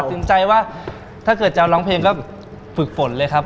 ถึงใจว่าถ้าเกิดจะร้องเพลงก็ฝึกฝนเลยครับ